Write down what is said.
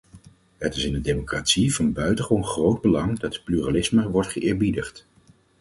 Het is in een democratie van buitengewoon groot belang dat pluralisme wordt geëerbiedigd.